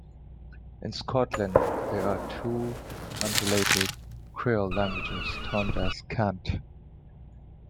In Scotland, there are two unrelated creol languages termed as "cant".